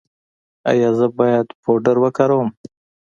ایا زه باید پوډر وکاروم؟